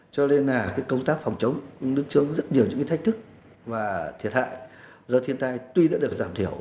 cho nên là công tác phòng chống nước chốn rất nhiều những thách thức và thiệt hại do thiên tai tuy đã được giảm thiểu